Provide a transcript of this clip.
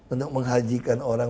untuk menghajikan orang